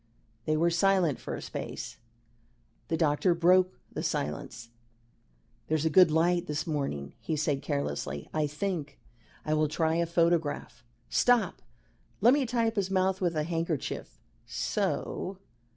They were silent for a space. The doctor broke the silence. "There's a good light this morning," he said carelessly. "I think I will try a photograph. Stop! Let me tie up his mouth with a handkerchief so."